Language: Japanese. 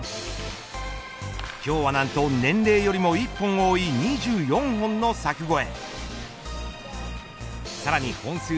今日は何と年齢よりも１本多い２４本の柵越え。